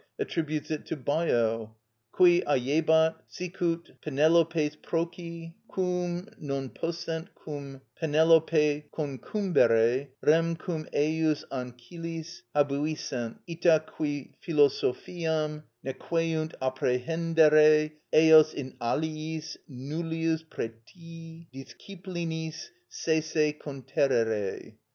10) attributes it to Bio—"_Qui ajebat, sicut Penelopes proci, __ quum non possent cum Penelope concumbere, rem cum ejus ancillis habuissent; ita qui philosophiam nequeunt apprehendere eos in alliis nullius pretii disciplinis sese conterere.